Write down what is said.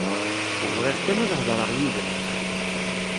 Bɣiɣ kan ad hedreɣ yid-m.